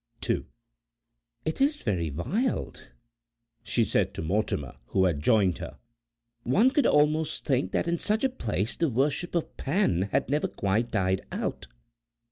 "It is very wild," she said to Mortimer, who had joined her; "one could almost think that in such a place the worship of Pan had never quite died out."